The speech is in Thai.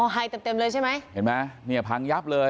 ให้เต็มเต็มเลยใช่ไหมเห็นไหมเนี่ยพังยับเลย